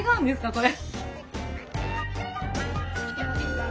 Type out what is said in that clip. これ。